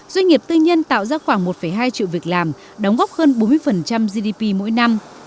doanh nghiệp tư nhân tạo ra khoảng một hai triệu việc làm đóng góp hơn bốn mươi gdp mỗi năm